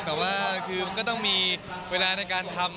แต่ว่าคือก็ต้องมีเวลาในการทำ